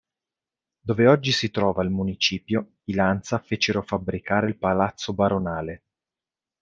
Dove oggi si trova il Municipio, i Lanza fecero fabbricare il palazzo baronale.